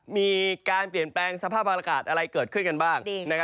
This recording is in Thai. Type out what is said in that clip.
มีการเปลี่ยนแปลงสภาพอากาศอะไรเกิดขึ้นกันบ้าง